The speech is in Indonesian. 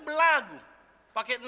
pak udah jalan cepetan